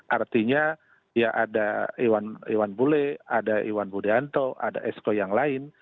artinya ya ada iwan bule ada iwan budianto ada esko yang lain